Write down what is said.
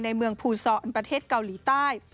ในเมืองภูซอนประเทศเกาหลีใต้